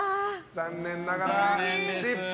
残念ながら失敗！